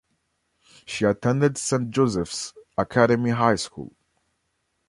She attended Saint Joseph's Academy high school.